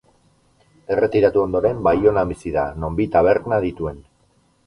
Erretiratu ondoren, Baionan bizi da, non bi taberna dituen.